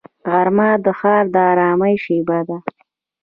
غرمه د ښار د ارامۍ شیبه ده